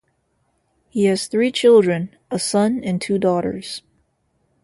He has three children, a son and two daughters.